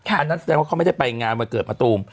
อันนั้นแสดงว่าเขาไม่ได้ไปงานวันเกิดมะตูม